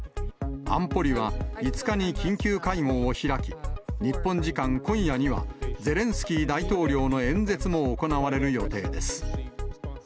安保理は、５日に緊急会合を開き、日本時間今夜には、ゼレンスキー大統領の演説も行われる予定です。